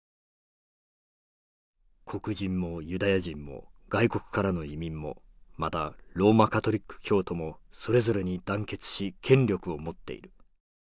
「黒人もユダヤ人も外国からの移民もまたローマカトリック教徒もそれぞれに団結し権力を持っている。